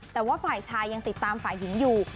แต่ว่าฝ่ายชายยังติดตามฝ่ายหญิงอยู่